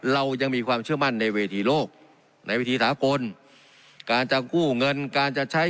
เรายังมีความเชื่อมั่นในเวทีโลกในวิธีสากลการจะกู้เงินการจะใช้